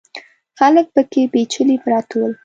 خلک پکې پېچلي پراته ول.